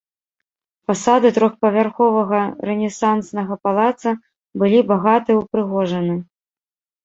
Фасады трохпавярховага рэнесанснага палаца былі багаты ўпрыгожаны.